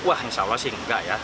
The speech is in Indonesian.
wah insya allah sih enggak ya